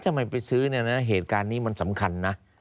ทำไมไปซื้อเนี่ยนะเหตุการณ์นี้มันสำคัญนะ